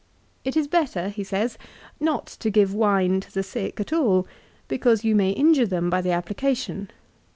"It is better," he says, "not to give wine to the sick at all, because you may injure them by the application.